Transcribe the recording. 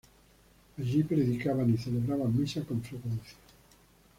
Allí predicaban y celebraban misa con frecuencia.